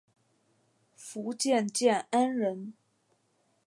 福建建安人。